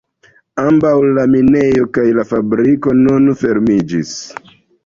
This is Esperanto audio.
Ambaŭ la minejo kaj la fabriko nun fermiĝis.